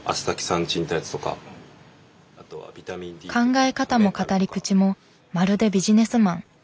考え方も語り口もまるでビジネスマン。